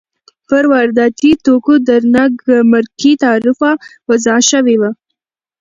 پر وارداتي توکو درنه ګمرکي تعرفه وضع شوې وه.